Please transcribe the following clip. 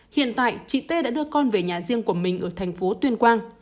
hiện tại chị tê đã đưa con về nhà riêng của mình ở thành phố tuyên quang